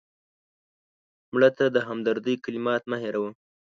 مړه ته د همدردۍ کلمات مه هېروه